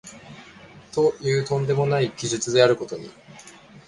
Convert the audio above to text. という飛んでもない奇術であることに、